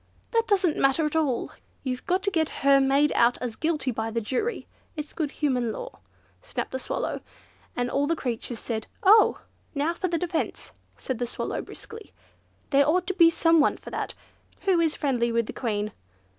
"That doesn't matter at all, you've got to get her made out as guilty by the jury. It's good human law," snapped the Swallow, and all the creatures said "Oh!" "Now for the defence," said the Swallow briskly; "there ought to be someone for that. Who is friendly with the Queen?"